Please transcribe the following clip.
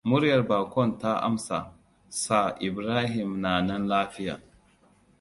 Muryar baƙon ta amsa,“Sir Ibrahim na nan lafiya.”